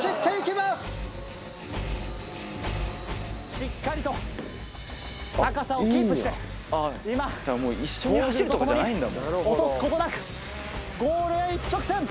しっかりと高さをキープして今ゴーグルとともに落とすことなくゴールへ一直線。